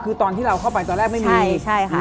คือตอนที่เราเข้าไปตอนแรกไม่มีใช่ค่ะ